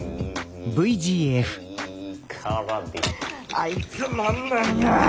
あいつ何なんや！